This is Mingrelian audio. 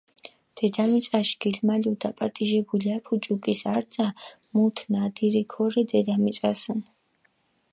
დედამიწაშ გილმალუ დაპატიჟებული აფუ ჭუკის არძა, მუთ ნადირი ქორე დედამიწასჷნ.